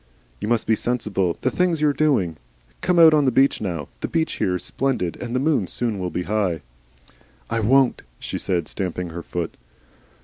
"You must be sensible. The thing's your own doing. Come out on the beach now the beach here is splendid, and the moon will soon be high." "I WON'T" she said, stamping her foot.